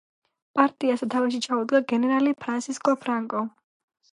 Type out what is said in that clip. პარტიას სათავეში ჩაუდგა გენერალი ფრანსისკო ფრანკო.